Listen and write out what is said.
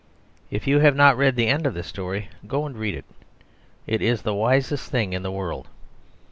If you have not read the end of his story, go and read it; it is the wisest thing in the world.